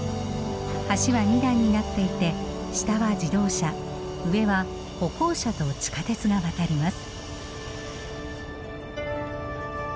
橋は二段になっていて下は自動車上は歩行者と地下鉄が渡ります。